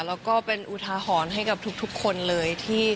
แล้วก็เป็นอุทาหรณ์ให้กับทุกคนเลย